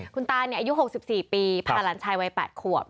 คุณตาอายุ๖๔ปีพาหลานชายวัย๘ขวบ